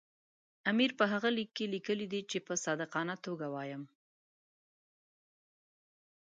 امیر په هغه لیک کې لیکلي دي چې په صادقانه توګه وایم.